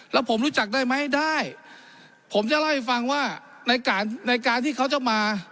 แล้วผมรู้จักได้ไหมได้ผมจะเล่าให้ฟังว่าในการในการที่เขาจะมา